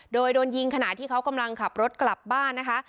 โดยโดนยิงขณะที่เขากำลังขับรถกลับบ้านนะคะ